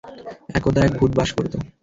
একদা এক ভূত বাস করত।